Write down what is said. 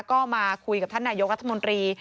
ก็มาคุยกับท่านนายกรัฐมนตรี